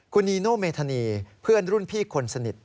คุณนีโนเมธานีเพื่อนรุ่นพี่คนสนิท